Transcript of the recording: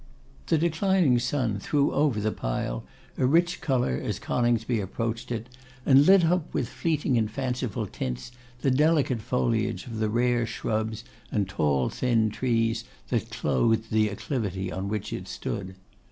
The declining sun threw over the pile a rich colour as Coningsby approached it, and lit up with fleeting and fanciful tints the delicate foliage of the rare shrubs and tall thin trees that clothed the acclivity on which it stood.